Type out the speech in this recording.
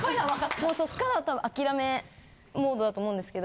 もうそっからたぶん諦めモードだと思うんですけど。